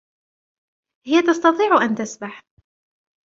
هي تستطيع أن تسبح.